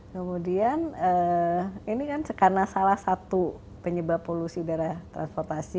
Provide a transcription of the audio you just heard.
kemudian ini kan karena salah satu penyebab polusi udara transportasi